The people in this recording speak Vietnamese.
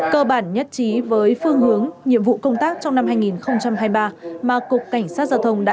cơ bản nhất trí với phương hướng nhiệm vụ công tác trong năm hai nghìn hai mươi ba mà cục cảnh sát giao thông đã